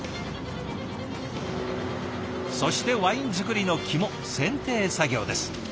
そしてワイン造りの肝選定作業です。